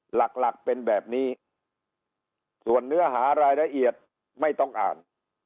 หลักหลักเป็นแบบนี้ส่วนเนื้อหารายละเอียดไม่ต้องอ่าน